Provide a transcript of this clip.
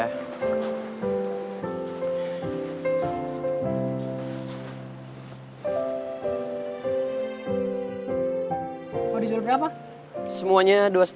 yang butang ingin refugees